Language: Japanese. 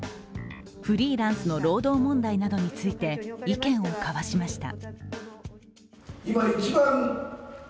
フリーランスの労働問題などについて意見を交わしました。